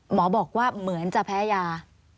หมอบอกว่าเหมือนจะแพ้ยา